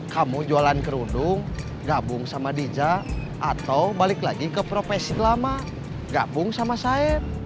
kamu jualan kerudung gabung sama dija atau balik lagi ke profesi lama gabung sama saya